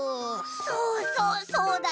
そうそうそうだよね！